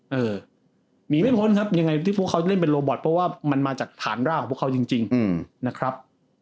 เออหนีไม่พ้นครับยังไงที่พวกเขาจะเล่นเป็นโรบอตเพราะว่ามันมาจากฐานรากของพวกเขาจริงนะครับ